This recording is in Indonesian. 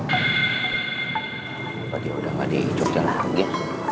nanti udah gak diinjok jalanan lagi ya